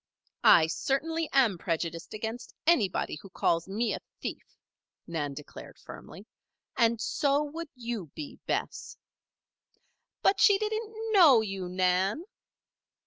"I certainly am prejudiced against anybody who calls me a thief," Nan declared firmly. "And so would you be, Bess." "But she didn't know you, Nan."